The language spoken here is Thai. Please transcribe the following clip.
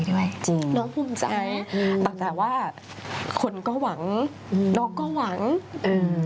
ด้วยจริงน้องภูมิใจอืมแต่ว่าคนก็หวังอืมน้องก็หวังอืม